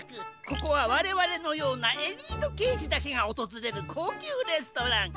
ここはわれわれのようなエリートけいじだけがおとずれるこうきゅうレストラン。